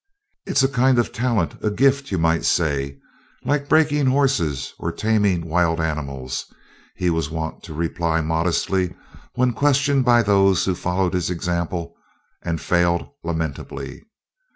"It's a kind of talent a gift, you might say like breakin' horses or tamin' wild animals," he was wont to reply modestly when questioned by those who followed his example and failed lamentably.